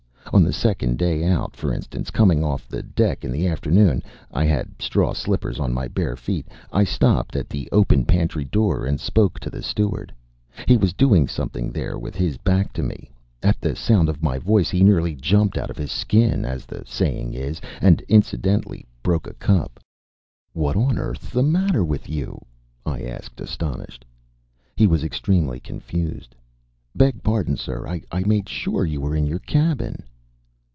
On the second day out, for instance, coming off the deck in the afternoon (I had straw slippers on my bare feet) I stopped at the open pantry door and spoke to the steward. He was doing something there with his back to me. At the sound of my voice he nearly jumped out of his skin, as the saying is, and incidentally broke a cup. "What on earth's the matter with you?" I asked, astonished. He was extremely confused. "Beg your pardon, sir. I made sure you were in your cabin."